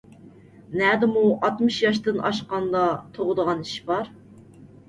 نەدىمۇ ئاتمىش ياشتىن ئاشقاندا تۇغىدىغان ئىش بار؟